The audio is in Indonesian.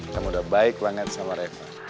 kamu udah baik banget sama reva